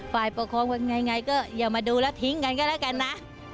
ฝ่ายประคองก็อย่างไรอย่ามาดูแล้วทิ้งกันก็แล้วกันนะ